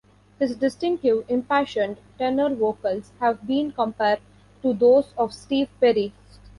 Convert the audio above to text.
His distinctive, impassioned tenor vocals have been compared to those of Steve Perry.